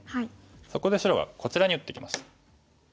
そこで白はこちらに打ってきました。